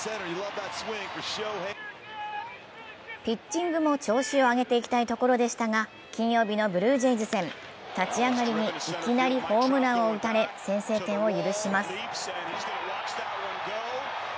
ピッチングも調子を上げていきたいところでしたが、金曜日のブルージェイズ戦、立ち上がりにいきなりホームランを打たれ、先制点を許します。